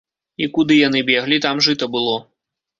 І куды яны беглі, там жыта было.